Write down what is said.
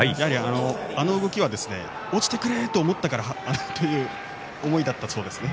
あの動きは落ちてくれと思ったからという思いがあったそうです。